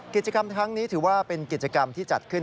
กิจกรรมทั้งนี้ถือว่าเป็นกิจกรรมที่จัดขึ้น